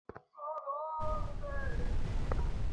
নবীন মিথ্যা জবাব দেয়।